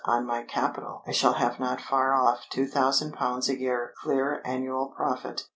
on my capital I shall have not far off two thousand pounds a year clear annual profit.